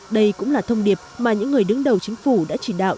đây cũng là thông điệp mà những người đứng đầu chính phủ đã chỉ đạo